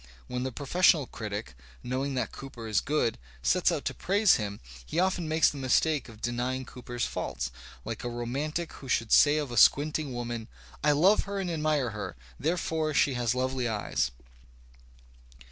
When the professional critic, knowing that Cooper is good, sets out to praise him, he often makes the mistake of denying Cooper's faults, like a romantic who should say of a squinting woman: ''I love her and admire her; therefore she has lovely eyes."